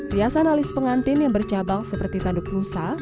riasan alis pengantin yang bercabang seperti tanduk nusa